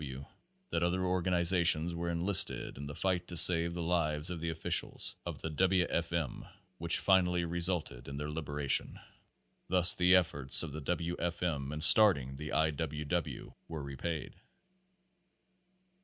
W. W. that other organizations were enlisted in the fight to save the lives of the officials of the W. F. M. which finally resulted in their liberation. Thus the ef forts of the W. F. M. in starting the I. W. W. were re paid.